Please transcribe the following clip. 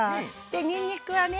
にんにくはね